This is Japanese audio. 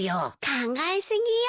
考え過ぎよ。